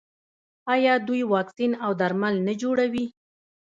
آیا دوی واکسین او درمل نه جوړوي؟